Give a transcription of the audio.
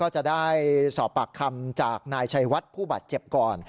จะได้สอบปากคำจากนายชัยวัดผู้บาดเจ็บก่อน